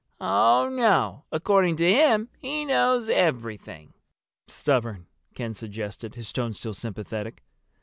Oh, no! According to him, he knows everything." "Stubborn," Ken suggested, his tone still sympathetic.